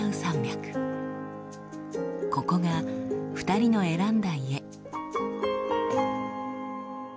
ここが２人の選んだ家。